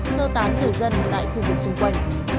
sơ tán tử dân tại khu vực xung quanh